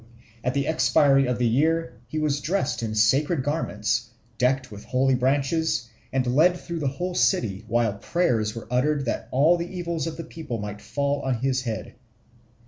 At the expiry of the year he was dressed in sacred garments, decked with holy branches, and led through the whole city, while prayers were uttered that all the evils of the people might fall on his head.